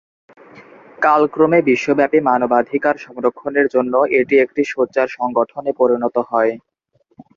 কালক্রমে বিশ্বব্যাপী মানবাধিকার সংরক্ষণের জন্য এটি একটি সোচ্চার সংগঠনে পরিণত হয়।